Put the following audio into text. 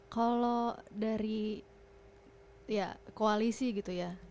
kalau dari koalisi gitu ya